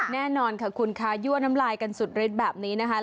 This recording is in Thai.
แน่นอนค่ะคุณค่ะยั่วน้ำลายกันสุดฤทธิ์แบบนี้นะคะ